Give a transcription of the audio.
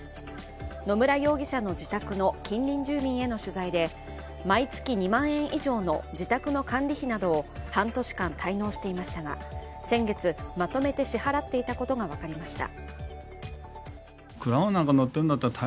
野村容疑者の自宅の近隣住民への取材で毎月２万円以上の自宅の管理費などを半年間滞納していましたが、先月、まとめて支払っていたことが分かりました。